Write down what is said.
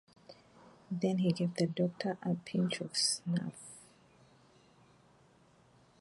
Then he gave the Doctor a pinch of snuff.